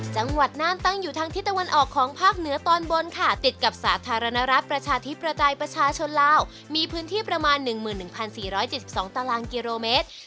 น่านตั้งอยู่ทางทิศตะวันออกของภาคเหนือตอนบนค่ะติดกับสาธารณรัฐประชาธิปไตยประชาชนลาวมีพื้นที่ประมาณ๑๑๔๗๒ตารางกิโลเมตร